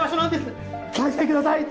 返してください。